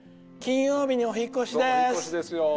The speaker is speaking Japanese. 金曜日にお引っ越しです。